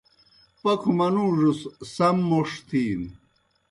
پکھوْ منُوڙوْس سَم موْݜ تِھینوْ۔